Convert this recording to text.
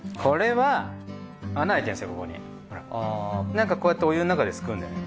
なんかこうやってお湯の中ですくうんだよね。